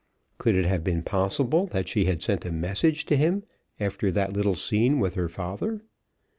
Could it have been possible that she had sent a message to him after that little scene with her father?